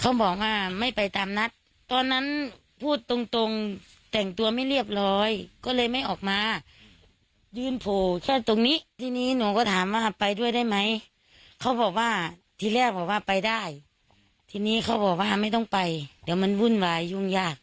เขาบอกว่าไม่ต้องไปเดี๋ยวมันวุ่นวายยุ่งยาก